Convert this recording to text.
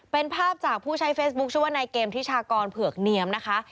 เป็นภาพจากผู้ใช้เฟซบุ๊คชื่อว่านายเกมทิชากรเผือกเนียมนะคะ